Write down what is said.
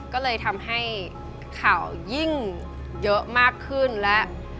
ก็เลยทำให้ข่าวยิ่งเยอะมากขึ้นและ